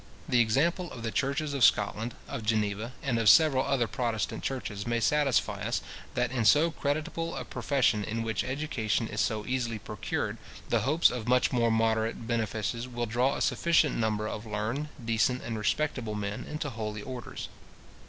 The example of the churches of Scotland, of Geneva, and of several other protestant churches, may satisfy us, that in so creditable a profession, in which education is so easily procured, the hopes of much more moderate benefices will draw a sufficient number of learned, decent, and respectable men into holy orders.